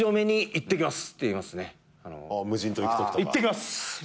いってきます。